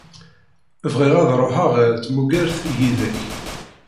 Bɣiɣ ad ṛuḥeɣ ɣer tmugert yid-k.